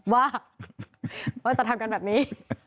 ว่าจะทำกันแบบนี้